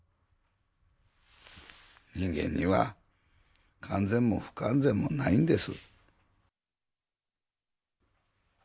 人間には完全も不完全もないんです